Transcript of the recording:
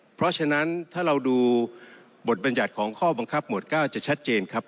เพราะฉะนั้นถ้าเราดูบทบรรยัติของข้อบังคับหมวด๙จะชัดเจนครับ